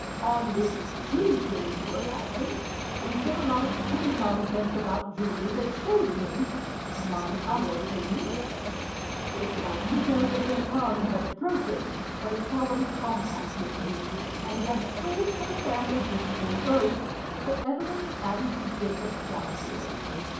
On which she flew into a passion, and said a lot of silly nonsense about Julie, that showed me, among other things, that Mademoiselle Le Breton had broken her solemn compact with me, and had told her family history both to Evelyn and to Jacob Delafield.